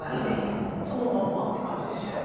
そのまんまって感じでしたよ。